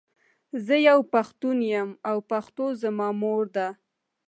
زۀ یو پښتون یم او پښتو زما مور ده.